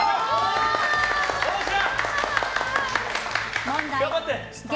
よっしゃ！